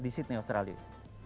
saya di sydney australia